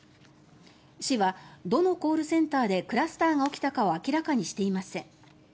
市はどのコールセンターでクラスターが起きたかを明らかにしていません。